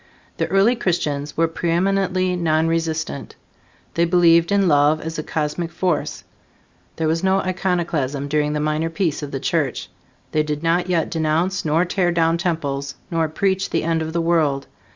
The early Christians were preeminently nonresistant. They believed in love as a cosmic force. There was no iconoclasm during the minor peace of the Church. They did not yet denounce nor tear down temples, nor preach the end of the world.